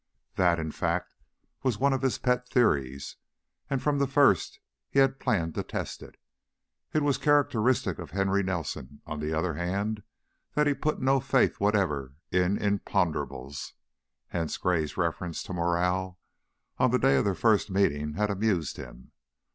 That, in fact, was one of his pet theories and from the first he had planned to test it. It was characteristic of Henry Nelson, on the other hand, that he put no faith whatever in "imponderables," hence Gray's reference to morale, on that day of their first meeting, had amused him.